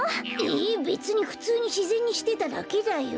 えべつにふつうにしぜんにしてただけだよ。